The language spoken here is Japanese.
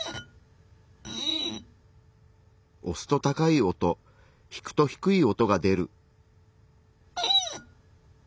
押すと高い音引くと低い音が出る。